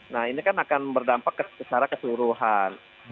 nah ini kan akan berdampak secara keseluruhan